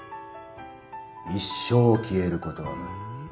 一生消えることはない。